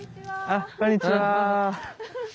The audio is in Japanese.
あっこんにちは。